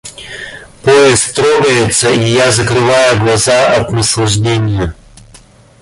Поезд трогается, и я закрываю глаза от наслаждения.